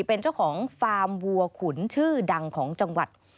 เป็นเจ้าของฟาร์มวัวขุนชื่อดังของจังหวัด